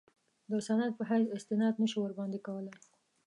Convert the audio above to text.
د سند په حیث استناد نه شو ورباندې کولای.